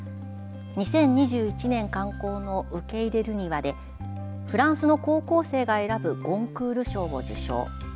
２０２１年刊行の「うけいれるには」でフランスの高校生が選ぶゴンクール賞を受賞。